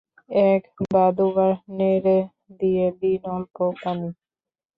এক বা দুবার নেড়ে দিয়ে দিন অল্প পানি।